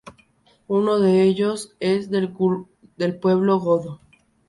Uno de ellos es del pueblo godo.